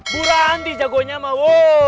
bu ranti jagonya mah